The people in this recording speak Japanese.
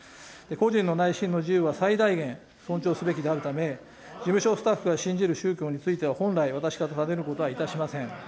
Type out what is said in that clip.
個人の内心の自由は最大限、尊重すべきであるため、事務所スタッフが信じる宗教については、本来私から尋ねることはいたしません。